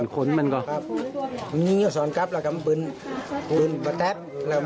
ครับ